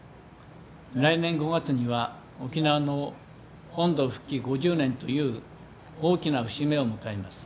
来年５月には沖縄の本土復帰５０年という大きな節目を迎えます。